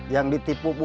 masih mau apa